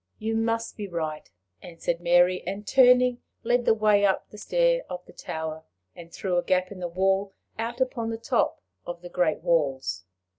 "You must be right," answered Mary, and, turning, led the way up the stair of the tower, and through a gap in the wall out upon the top of the great walls.